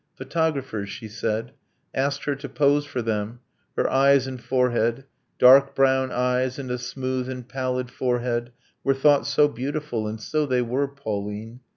Photographers, she said, Asked her to pose for them; her eyes and forehead, Dark brown eyes, and a smooth and pallid forehead, Were thought so beautiful. And so they were. Pauline